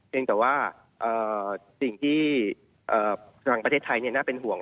ยังแต่ว่าสิ่งที่ทางประเทศไทยน่าเป็นห่วง